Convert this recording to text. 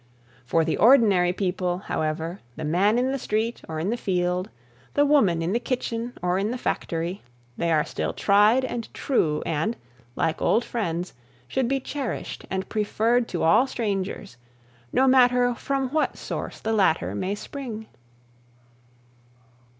For the ordinary people, however, the man in the street or in the field, the woman in the kitchen or in the factory, they are still tried and true and, like old friends, should be cherished and preferred to all strangers, no matter from what source the latter may spring.